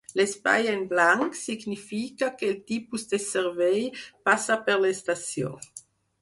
L'espai en blanc significa que el tipus de servei passa per l'estació.